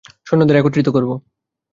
সৈন্যদের একত্রিত কর।